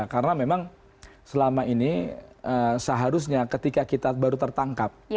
karena memang selama ini seharusnya ketika kita baru tertangkap